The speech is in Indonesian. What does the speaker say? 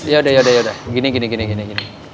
yaudah yaudah gini gini